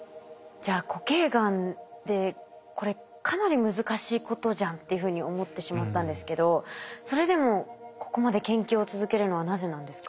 じゃあ固形がんってこれかなり難しいことじゃんというふうに思ってしまったんですけどそれでもここまで研究を続けるのはなぜなんですか？